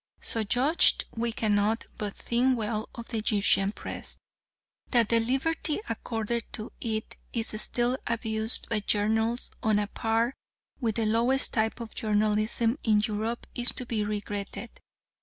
So judged we cannot but think well of the Egyptian Press. That the liberty accorded to it is still abused by journals on a par with the lowest type of journalism in Europe is to be regretted.